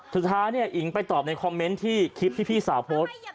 สุดท้ายเนี่ยอิ๋งไปตอบในคอมเมนต์ที่คลิปที่พี่สาวโพสต์